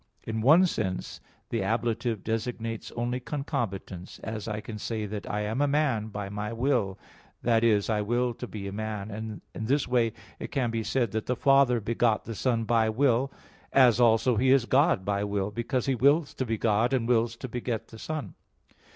In one sense, the ablative designates only concomitance, as I can say that I am a man by my will that is, I will to be a man; and in this way it can be said that the Father begot the Son by will; as also He is God by will, because He wills to be God, and wills to beget the Son.